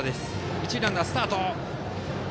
一塁ランナー、スタート！